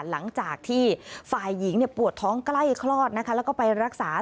หลังจากที่ฝ่ายหญิงปวดท้องใกล้คลอดนะคะแล้วก็ไปรักษา